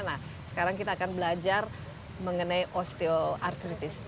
nah sekarang kita akan belajar mengenai osteoartrikritis